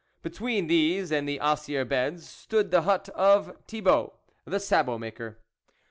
Between these and the Osier beds stood the hut of Thibault, the sabot maker.